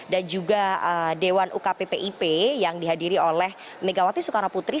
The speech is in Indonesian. dan juga dewan ukppip yang dihadiri oleh megawati soekarno putri